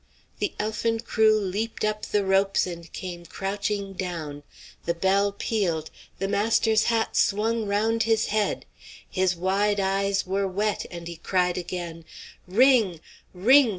The elfin crew leaped up the ropes and came crouching down. The bell pealed; the master's hat swung round his head. His wide eyes were wet, and he cried again, "Ring! ring!